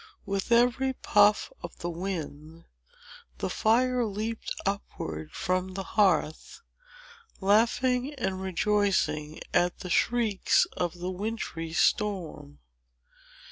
With every puff of the wind, the fire leaped upward from the hearth, laughing and rejoicing at the shrieks of the wintry storm.